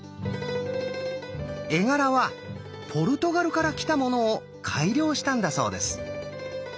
絵柄はポルトガルから来たものを改良したんだそうです。